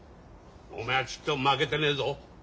おめえはちっとも負けてねえぞ。